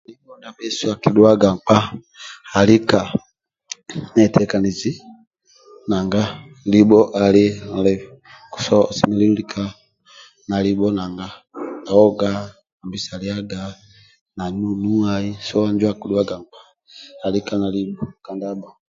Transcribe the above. Ndia bhesu akidhuaga nkpa alika netekanizi nanga libho ali osemelelu lika na libho naga ogab hambisa oga so injo abakdhuaga nkpa alika na lobho